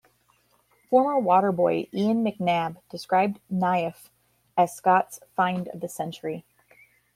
Former Waterboy Ian McNabb described Naiff as Scott's "find of the century".